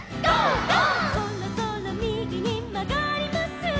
「そろそろみぎにまがります」